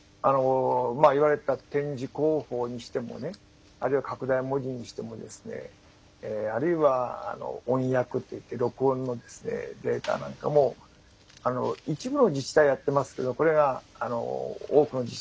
言われた点字公報にしてもあるいは拡大文字にしてもあるいは音訳といって録音のデータなんかも一部の自治体はやっていますが多くの自治体は不十分であると。